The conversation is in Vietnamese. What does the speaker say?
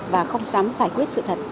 và không dám giải quyết sự thật